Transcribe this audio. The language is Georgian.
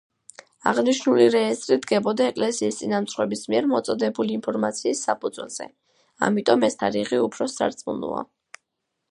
აღნიშნული რეესტრი დგებოდა ეკლესიის წინამძღვრების მიერ მოწოდებული ინფორმაციის საფუძველზე, ამიტომ ეს თარიღი უფრო სარწმუნოა.